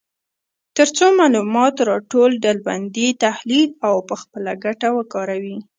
تر څو معلومات راټول، ډلبندي، تحلیل او په خپله ګټه وکاروي.